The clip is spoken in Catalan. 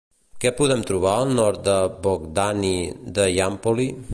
Què podem trobar al nord de Vogdháni de Hiàmpoli?